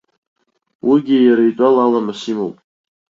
Уигьы иара итәала аламыс имоуп.